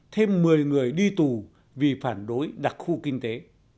thêm một mươi người đi tù vì phản đối đặc khu kinh tế